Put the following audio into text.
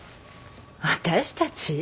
「私たち」？